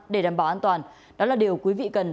để đảm bảo an toàn đó là điều quý vị cần